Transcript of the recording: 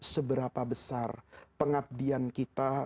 seberapa besar pengabdian kita